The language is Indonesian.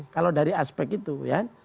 kalau dari aspek itu ya